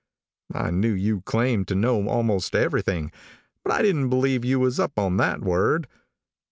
I knew you claimed to know almost everything, but I didn't believe you was up on that word.